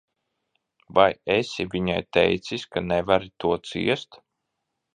Vai esi viņai teicis, ka nevari to ciest?